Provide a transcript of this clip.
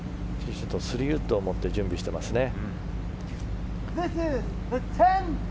３ウッドを持って準備していますね。